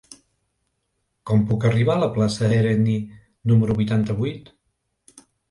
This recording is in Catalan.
Com puc arribar a la plaça d'Herenni número vuitanta-vuit?